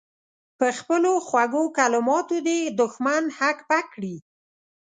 په خپلو خوږو کلماتو دې دښمن هک پک کړي.